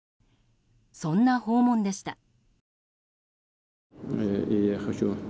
そんな訪問でした。